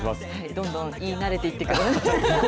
どんどん言いなれていってください。